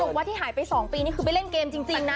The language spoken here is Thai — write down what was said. บอกว่าที่หายไป๒ปีนี่คือไปเล่นเกมจริงนะ